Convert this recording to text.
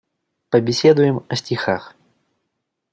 Побеседуем о стихах.